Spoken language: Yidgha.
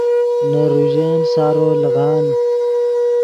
نے روژن سارو لیغان